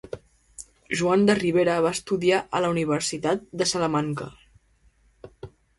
Joan de Ribera va estudiar a la Universitat de Salamanca.